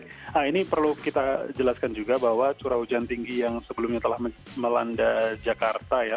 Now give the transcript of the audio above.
nah ini perlu kita jelaskan juga bahwa curah hujan tinggi yang sebelumnya telah melanda jakarta ya